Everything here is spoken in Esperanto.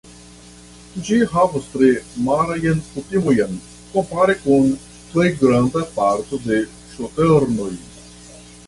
Ĝi havas tre marajn kutimojn kompare kun plej granda parto de ŝternoj.